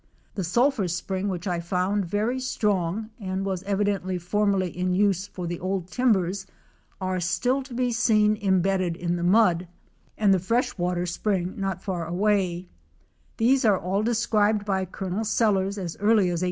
The sulphur spring which I found very strong and was evidently formerly in use for the old timbers are still to be seen imbedded in the mud^ and the fresh water spring not far away, These were all described by Colonel Sellers as early as 1854.